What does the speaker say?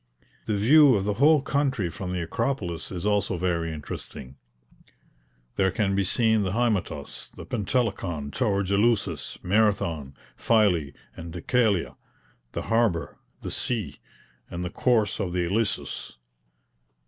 The view of the whole country from the Acropolis is also very interesting; there can be seen the Hymetos, the Pentelikon, towards Eleusis, Marathon, Phylae, and Dekelea, the harbour, the sea, and the course of the Ilissus.